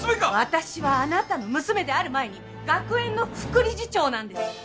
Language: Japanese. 私はあなたの娘である前に学園の副理事長なんです！